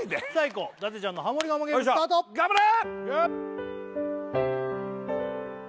こう伊達ちゃんのハモリ我慢ゲームスタート頑張れ！